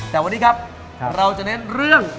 แต่วันนี้ครับเราจะเน้นเรื่อง